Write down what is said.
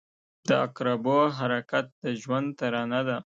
• د عقربو حرکت د ژوند ترانه ده.